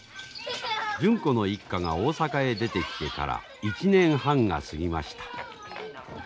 純子の一家が大阪へ出てきてから１年半が過ぎました。